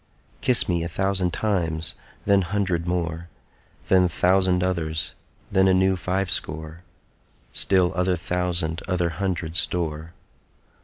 Kiss me a thousand times, then hundred more, Then thousand others, then a new five score, Still other thousand other hundred store.